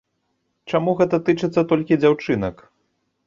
Чаму гэта тычыцца толькі дзяўчынак?